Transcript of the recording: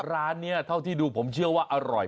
ร้านนี้เท่าที่ดูผมเชื่อว่าอร่อย